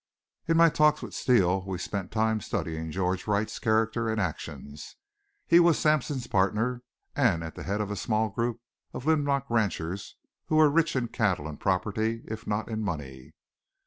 In my talks with Steele we spent time studying George Wright's character and actions. He was Sampson's partner, and at the head of a small group of Linrock ranchers who were rich in cattle and property, if not in money.